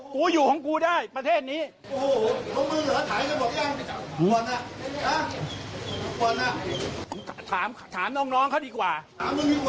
กูอยู่ของกูได้ประเทศนี้โอ้โหมึงเหลือถ่ายก็บอกย้างอ้าวอ้าวอ้าว